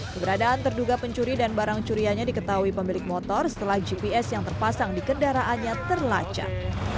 keberadaan terduga pencuri dan barang curiannya diketahui pemilik motor setelah gps yang terpasang di kendaraannya terlacak